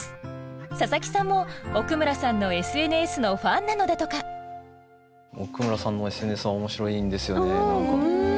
佐佐木さんも奥村さんのＳＮＳのファンなのだとか奥村さんのＳＮＳは面白いんですよね何か。